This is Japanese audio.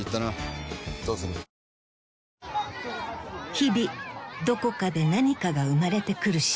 ［日々どこかで何かが生まれてくる深］